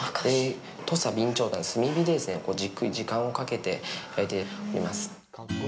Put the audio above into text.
土佐備長炭、炭火でじっくり時間をかけて焼いています。